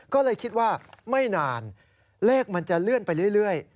ก็เลยคิดว่าไม่นานเลขมันจะเลื่อนไปเรื่อย